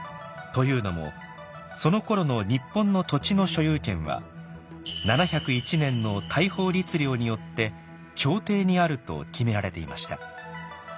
というのもそのころの日本の土地の所有権は７０１年の「大宝律令」によって朝廷にあると決められていました。